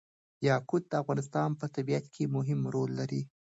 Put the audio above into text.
یاقوت د افغانستان په طبیعت کې مهم رول لري.